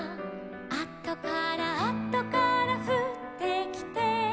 「あとからあとからふってきて」